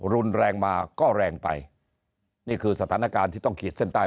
รุนแรงมาก็แรงไปนี่คือสถานการณ์ที่ต้องขีดเส้นใต้